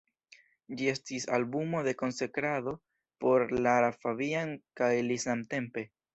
Ĝi estis albumo de konsekrado por Lara Fabian kaj li samtempe.